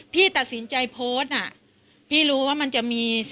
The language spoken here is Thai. กินโทษส่องแล้วอย่างนี้ก็ได้